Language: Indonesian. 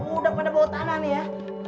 udah pada bau tanah nih ya